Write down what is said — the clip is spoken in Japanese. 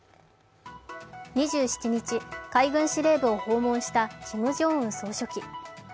２７日、海軍司令部を訪問したキム・ジョンウン総書記。